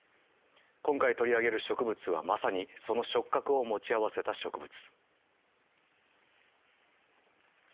今回取り上げる植物はまさにその触覚を持ち合わせた植物。